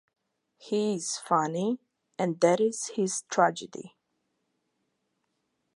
He is funny and that is his tragedy.